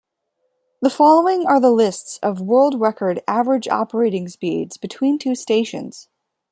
The following are the lists of world record average operating speeds between two stations.